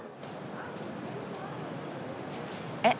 えっ？